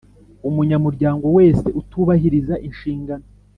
umunyamuryango wese utubahiriza inshingano